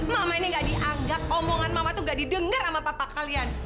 mama ini nggak dianggap omongan mama itu nggak didengar sama papa kalian